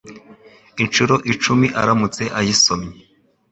inshuro icumi aramutse ayisomye